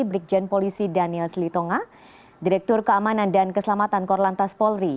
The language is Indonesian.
brigjen polisi daniel slitonga direktur keamanan dan keselamatan korlantas polri